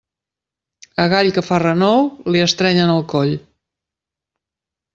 A gall que fa renou, li estrenyen el coll.